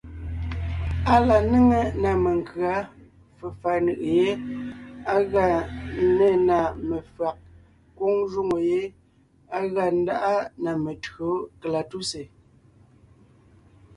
Á la néŋe ná menkʉ̌a, fefà nʉʼʉ yé, á gʉa nê na mefÿàg, kwóŋ jwóŋo yé á gʉa ńdáʼa na metÿǒ kalatúsè.